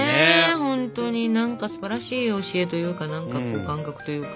本当に何かすばらしい教えというか何か感覚というか。